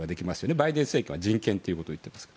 バイデン政権は人権を言っています。